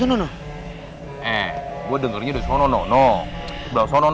gue dengernya disana